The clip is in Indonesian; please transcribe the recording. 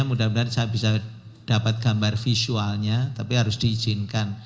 mudah mudahan saya bisa dapat gambar visualnya tapi harus diizinkan